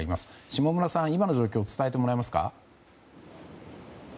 下村さん、今の状況を伝えてもらえますか。